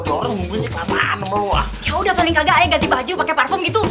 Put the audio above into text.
yaudah paling kagak ayo ganti baju pake parfum gitu